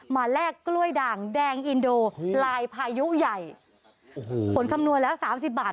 แลกกล้วยด่างแดงอินโดลายพายุใหญ่โอ้โหผลคำนวณแล้วสามสิบบาท